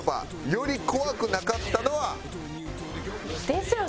より怖くなかったのは？ですよ。